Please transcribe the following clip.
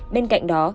bên cạnh đó